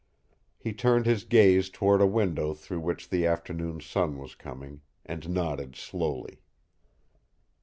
He turned his gaze toward a window through which the afternoon sun was coming, and nodded slowly.